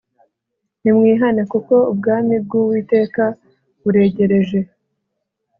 ‘‘Nimwihane ; kuko ubwami bw’Uwiteka buregereje.